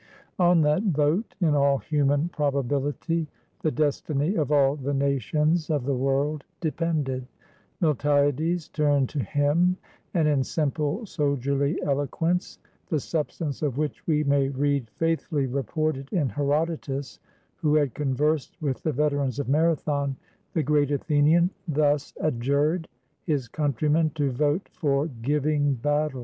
On that vote, in all human probability, the destiny of all the nations of the world depended. Miltiades turned to him, and in simple soldierly eloquence, the substance of which we may read faithfully reported in Herodotus, who had conversed with the veterans of Marathon, the great Athenian thus adjured his countryman to vote for giving battle.